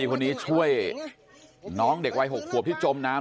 ใครพวกนี้ช่วยน้องเด็กเท่าไหร่๖ครับที่จมน้ำ